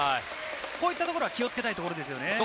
こういったところは気をつけたいですよね。